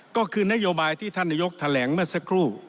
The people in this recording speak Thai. ก็คือนโยบายที่ท่านนายกแถลงเมื่อสักครู่